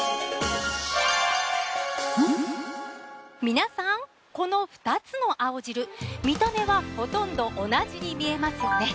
皆さんこの２つの青汁見た目はほとんど同じに見えますよね。